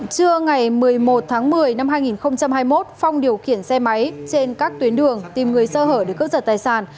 trưa ngày một mươi một tháng một mươi năm hai nghìn hai mươi một phong điều khiển xe máy trên các tuyến đường tìm người sơ hở để cướp giật tài sản